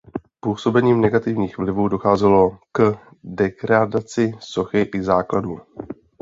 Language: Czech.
Působením negativních vlivů docházelo k degradaci sochy i základů.